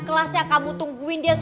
kelasnya kamu tungguin dia